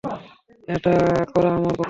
এটা করা আমাদের পক্ষে সম্ভব নয়।